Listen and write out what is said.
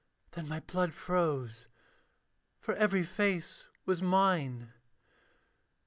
Then my blood froze; for every face was mine.